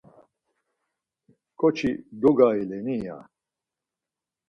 Ǩoçi dogaileni? ya.